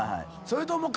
それと。